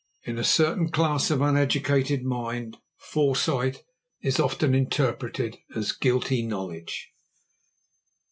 In a certain class of uneducated mind foresight is often interpreted as guilty knowledge.